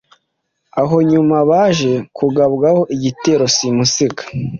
aho nyuma baje kugabwaho igitero simusiga